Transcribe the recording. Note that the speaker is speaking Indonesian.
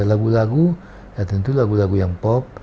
lagu lagu ya tentu lagu lagu yang pop